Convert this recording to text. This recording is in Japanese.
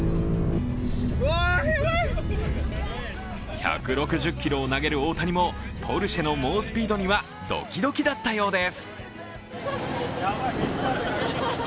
１６０キロを投げる大谷もポルシェの猛スピードにはドキドキだったようです。